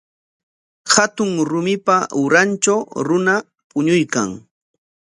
Hatun rumipa urantraw runa puñuykan.